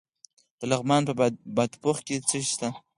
د لغمان په بادپخ کې څه شی شته؟